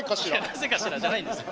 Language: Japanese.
「なぜかしら」じゃないんですよ。